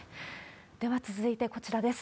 では続いて、こちらです。